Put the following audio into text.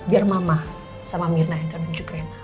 biar mama sama mirna yang akan bujuk rena